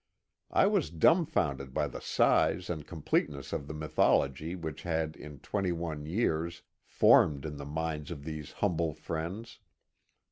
I was dumbfounded by the size and completeness of the mythology which had in twenty one years formed in the minds of these humble friends.